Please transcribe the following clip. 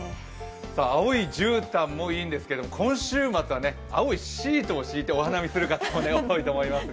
青いじゅうたんもいいんですが今週末は青いシートを敷いてお花見する方も多いと思います。